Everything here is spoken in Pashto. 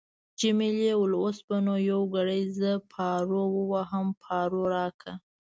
جميلې وويل:: اوس به نو یو ګړی زه پارو وواهم، پارو راکړه.